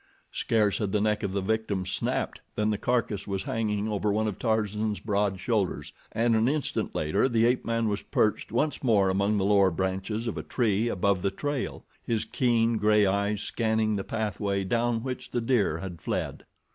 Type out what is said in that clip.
Scarce had the neck of the victim snapped than the carcass was hanging over one of Tarzan's broad shoulders, and an instant later the ape man was perched once more among the lower branches of a tree above the trail, his keen, gray eyes scanning the pathway down which the deer had fled.